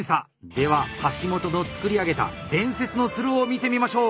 では橋本の作り上げた伝説の鶴を見てみましょう！